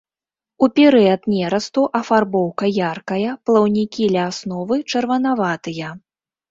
У перыяд нерасту афарбоўка яркая, плаўнікі ля асновы чырванаватыя.